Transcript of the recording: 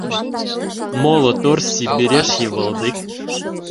Моло тор Сибиреш йывылдик!